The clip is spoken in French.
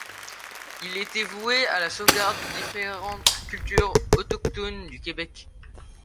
Il était voué à la sauvegarde des différentes cultures autochtones du Québec.